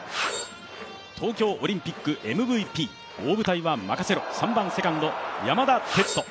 東京オリンピックＭＶＰ、大舞台は任せろ、３番セカンド・山田哲人。